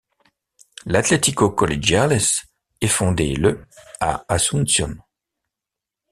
L'Atlético Colegiales est fondé le à Asuncion.